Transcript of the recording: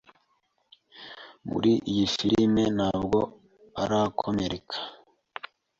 Muri iyi filime nabwo arakomereka